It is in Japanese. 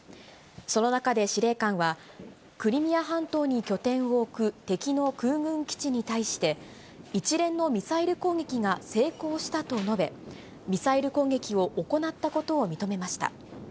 その中で司令官は、クリミア半島に拠点を置く敵の空軍基地に対して、一連のミサイル攻撃が成功したと述べ、ミサイル攻撃を行ったことを認めました。